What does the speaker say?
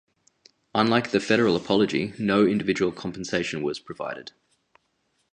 Unlike the federal apology, no individual compensation was provided.